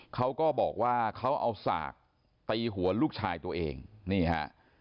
เขาก็บอกว่าเขาเอาสากตีหัวลูกชายตัวเองนี่ฮะ